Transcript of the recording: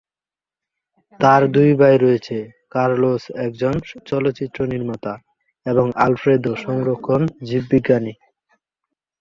তার দুই ভাই রয়েছে, কার্লোস একজন চলচ্চিত্র নির্মাতা এবং আলফ্রেদো সংরক্ষণ জীববিজ্ঞানী।